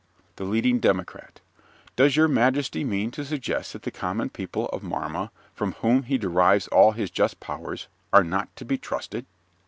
's. THE LEADING DEMOCRAT Does your majesty mean to suggest that the common people of Marma, from whom he derives all his just powers, are not to be trusted?